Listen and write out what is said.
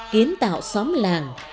kiến tạo xóm làng